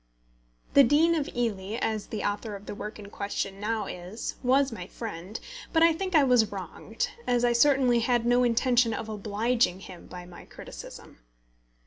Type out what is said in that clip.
The Dean of Ely, as the author of the work in question now is, was my friend; but I think I was wronged, as I certainly had no intention of obliging him by my criticism.